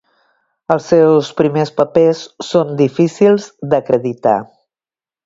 Els seus primers papers són difícils d'acreditar.